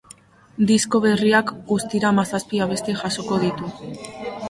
Disko berriak guztira hamazazpi abesti jasoko ditu.